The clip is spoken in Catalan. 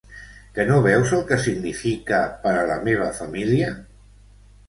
Que no veus el que significa per a la meva família?